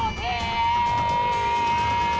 โอ๊ยโอ๊ย